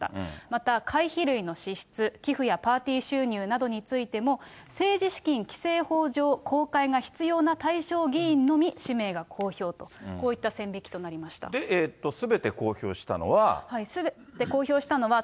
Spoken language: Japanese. また、会費類の支出、寄付やパーティー収入などについても、政治資金規正法上公開が必要な対象議員のみ、氏名が公表と、こうで、すべて公表したのは。